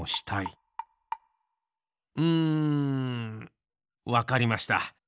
うんわかりました。